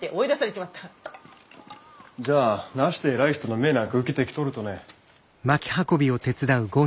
じゃあなして偉い人の命なんか受けてきとるとね。